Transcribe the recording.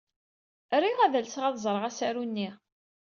Riɣ ad alseɣ ad ẓreɣ asaru-nni.